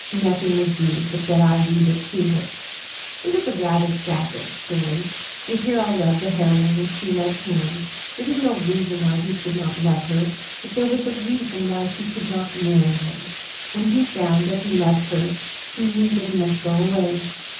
Nothing would do but that I read it to her. It was a rather sad little story. The hero loved the heroine, and she loved him. There was no reason why he should not love her, but there was a reason why he could not marry her. When he found that he loved her he knew that he must go away.